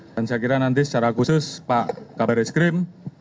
dan saya kira nanti secara khusus pak kabar eskrim